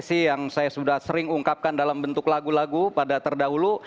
informasi yang saya sudah sering ungkapkan dalam bentuk lagu lagu pada terdahulu